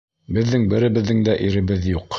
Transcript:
Беҙҙең беребеҙҙең дә иребеҙ юҡ!